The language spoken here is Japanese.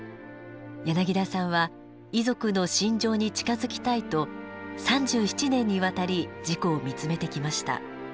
柳田さんは遺族の心情に近づきたいと３７年にわたり事故を見つめてきました。